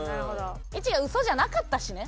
１が嘘じゃなかったしね。